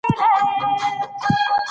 خلکو ته اجازه نه وه چې شاهي قصر ته نږدې شي.